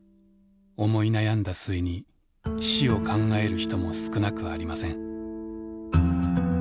思い悩んだ末に死を考える人も少なくありません。